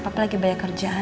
papa lagi banyak kerjaan